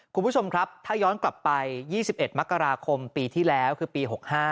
คุณผู้ชมครับถ้าย้อนกลับไป๒๑มกราคมปีที่แล้วคือปี๖๕